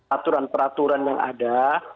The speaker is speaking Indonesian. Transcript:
aturan peraturan yang ada